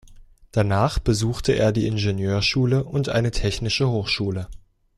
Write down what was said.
Danach besuchte er die Ingenieurschule und eine Technische Hochschule.